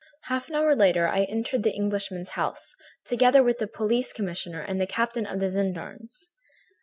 "Half an hour later I entered the Englishman's house, together with the police commissioner and the captain of the gendarmes.